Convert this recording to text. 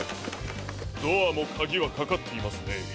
ドアもカギはかかっていますね。